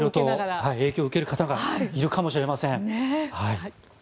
いろいろと影響を受ける方がいるかもしれません。